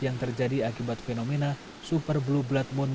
yang terjadi akibat fenomena super blue blood moon